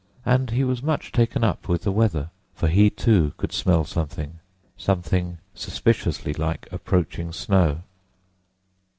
And he was much taken up with the weather, for he too could smell something—something suspiciously like approaching snow.